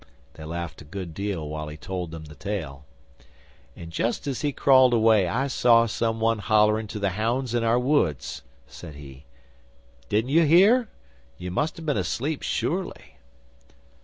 They laughed a good deal while he told them the tale. 'An' just as he crawled away I heard some one hollerin' to the hounds in our woods,' said he. 'Didn't you hear? You must ha' been asleep sure ly.